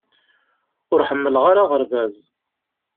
Ur ḥemmleɣ ara aɣerbaz.